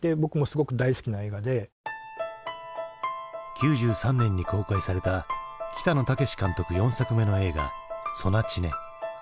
９３年に公開された北野武監督４作目の映画「ソナチネ」。